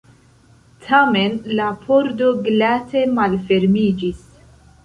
Tamen la pordo glate malfermiĝis.